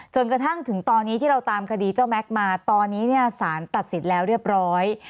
จนกระทั่งถึงตอนนี้ที่เราตามคดีเจ้าแม็กซ์มาตอนนี้เนี่ยสารตัดสินแล้วเรียบร้อย